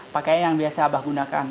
pakaian yang biasa abah gunakan